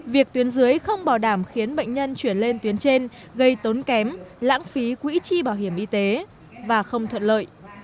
việc tuyến dưới không bảo đảm khiến bệnh nhân chuyển lên tuyến trên gây tốn kém lãng phí quỹ chi bảo hiểm y tế và không thuận lợi